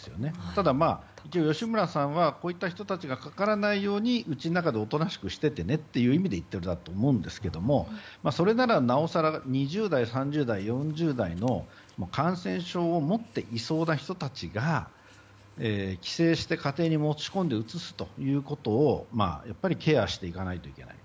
ただ、吉村さんはこうした人たちがかからないようにうちの中でおとなしくしててねということで言っているんだと思いますがそれなら、なおさら２０代、３０代、４０代の感染症を持っていそうな人たちが帰省して家庭に持ち込んでうつすということをケアしていかないといけない。